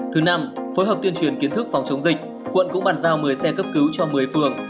thứ năm phối hợp tuyên truyền kiến thức phòng chống dịch quận cũng bàn giao một mươi xe cấp cứu cho một mươi phường